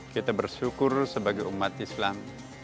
kita bersyukur sebagai umat islam